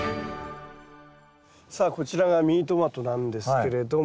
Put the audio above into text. さあこちらがミニトマトなんですけれども。